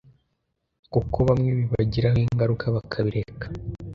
kuko bamwe bibagiraho ingaruka bakabireka,